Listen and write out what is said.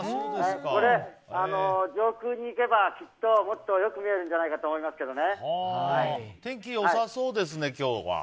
これ、上空に行けばきっともっとよく見えるんじゃ天気よさそうですね、今日は。